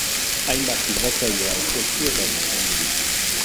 Hainbat irratsaio aurkeztu eta zuzendu ditu.